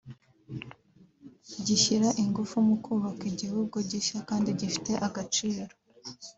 gishyira ingufu mu kubaka igihugu gishya kandi gifite agaciro